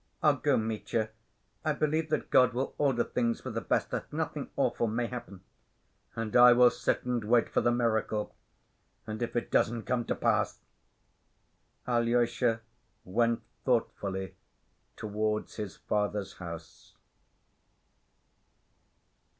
"I'll go, Mitya. I believe that God will order things for the best, that nothing awful may happen." "And I will sit and wait for the miracle. And if it doesn't come to pass—" Alyosha went thoughtfully towards his father's house.